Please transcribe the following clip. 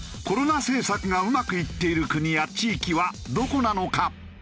コロナ政策がうまくいっている国や地域はどこなのか？